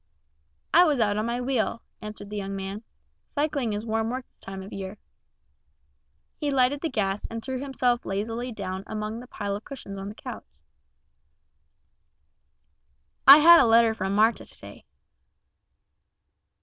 "I was out on my wheel," answered the young man. "Cycling is warm work this time of year." He lighted the gas and threw himself lazily down among the pile of cushions on the couch. "I had a letter from Marta to day."